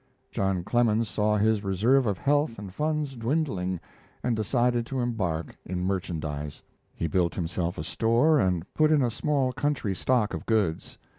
John Clemens saw his reserve of health and funds dwindling, and decided to embark in merchandise. He built himself a store and put in a small country stock of goods.